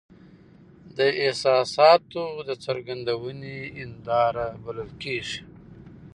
د احساساتو د څرګندوني هنداره بلل کیږي .